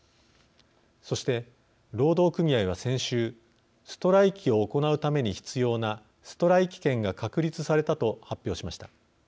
そして労働組合は先週ストライキを行うために必要なストライキ権が確立されたと発表しました。